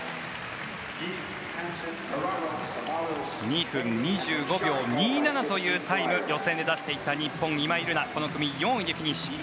２分２５秒２７というタイムを予選で出していった日本の今井月はこの組４位でフィニッシュ。